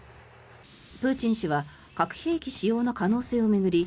プーチン氏は核兵器使用の可能性を巡り